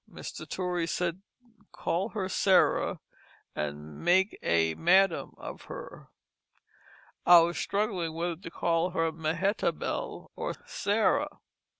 Mr. Torrey said call her Sarah and make a Madam of her. I was struggling whether to call her Mehetable or Sarah.